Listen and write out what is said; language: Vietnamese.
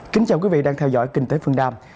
kính chào quý vị đang theo dõi kinh tế phương nam